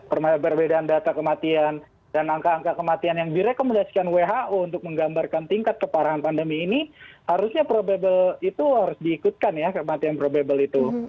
perbedaan data kematian dan angka angka kematian yang direkomendasikan who untuk menggambarkan tingkat keparahan pandemi ini harusnya probable itu harus diikutkan ya kematian probable itu